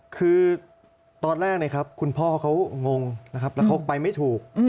คือตอนแรกนะครับคุณพ่อเขางงนะครับแล้วเขาไปไม่ถูก